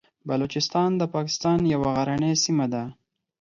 بلوچستان د پاکستان یوه غرنۍ سیمه ده.